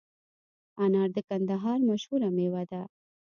انار د کندهار مشهوره میوه ده